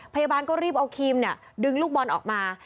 พยาบาลก็รีบเอาครีมดึงลูกบอลออกมา